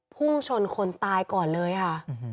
พุ่งชนคนตายก่อนเลยค่ะ